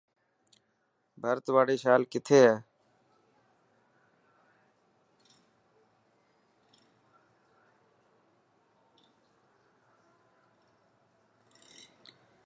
ڀرت واري شال ڪٿي هي.